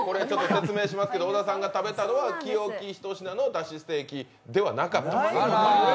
説明しますけど、小田さんが食べたのは清喜ひとしなの出汁ステーキではなかった。